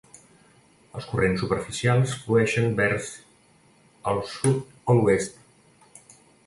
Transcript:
Els corrents superficials flueixen vers els sud o l'oest.